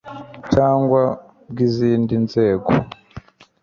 cyangwa bw izindi nzego